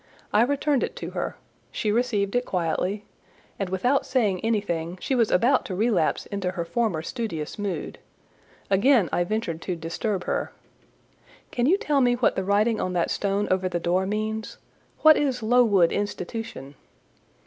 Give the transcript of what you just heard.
I returned it to her; she received it quietly, and without saying anything she was about to relapse into her former studious mood: again I ventured to disturb her— "Can you tell me what the writing on that stone over the door means? What is Lowood Institution?"